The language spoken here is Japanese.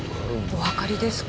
おわかりですか？